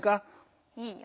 いいよ。